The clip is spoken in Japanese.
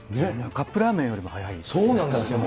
カップラーメンよりも早いんそうなんですよ。